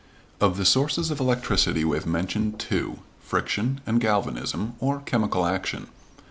Of the sources of electricity we have mentioned two: Friction, and Galvanism or chemical action.